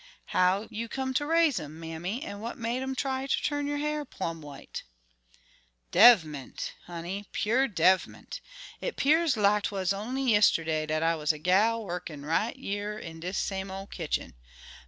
"How you come to raise 'em, mammy, an' what made 'em try ter turn yo' ha'r plum' white?" "Dev'ment, honey, pur' dev'ment! It 'pears lack 'twas only yisterday dat I was a gal wurkin' right yere in dis same ol' kitchen.